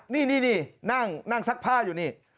นี่นั่งซักผ้าอยู่นี่